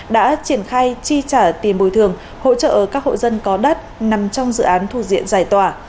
đã triển khai chi trả tiền bồi thường hỗ trợ các hộ dân có đất nằm trong dự án thuộc diện giải tỏa